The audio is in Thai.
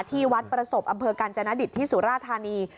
ที่วัดประสบอำเภอกาญจนดิตที่สุราธานี